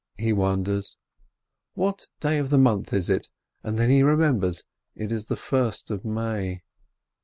he wonders. "What day of the month is it?" And then he remembers, it is the first of May.